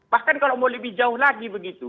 bahkan kalau mau lebih jauh lagi begitu